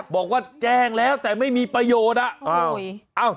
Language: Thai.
เบิร์ตลมเสียโอ้โห